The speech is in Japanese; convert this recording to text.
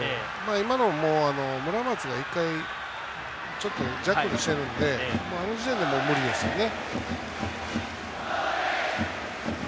今の村松が１回ちょっとジャッグルしてるんであの時点で無理ですよね。